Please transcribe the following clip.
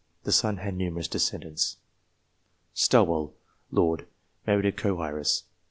The son had numerous descendants. Stowell, Lord. Married a co heiress.